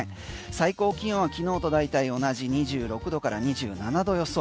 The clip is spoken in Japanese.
最高気温はきのうと大体同じ２６度から２７度予想。